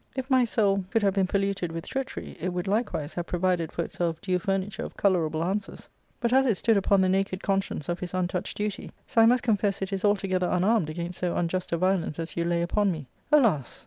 If my soul could have been polluted with treachery, it would likewise have provided for itself due furniture of colourable answers ; but as it stood upon the naked conscience of his untouched duty, so I must confess it is altogether unarmed against so unjust a violence as you lay upon me. Alas